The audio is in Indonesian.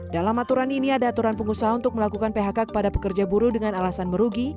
dalam aturan ini ada aturan pengusaha untuk melakukan phk kepada pekerja buruh dengan alasan merugi